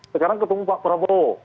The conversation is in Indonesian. sekarang ketemu pak prabowo